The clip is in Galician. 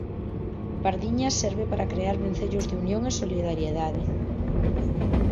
Pardiñas serve para crear vencellos de unión e solidariedade.